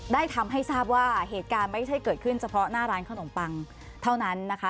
ทำให้ทราบว่าเหตุการณ์ไม่ใช่เกิดขึ้นเฉพาะหน้าร้านขนมปังเท่านั้นนะคะ